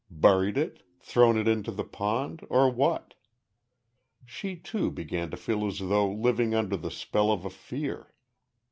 Buried it thrown it into the pond, or what? She, too, began to feel as though living under the spell of a fear.